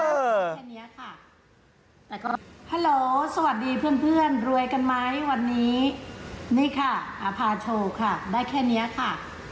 แค่นี้ค่ะแต่ก็ฮัลโหลสวัสดีเพื่อนเพื่อนรวยกันไหมวันนี้นี่ค่ะพาโชว์ค่ะได้แค่เนี้ยค่ะ